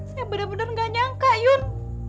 saya bener bener gak nyangka yun